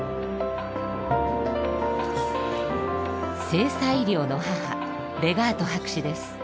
性差医療の母レガート博士です。